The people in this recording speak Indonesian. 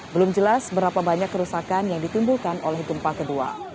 belum jelas berapa banyak kerusakan yang ditimbulkan oleh gempa kedua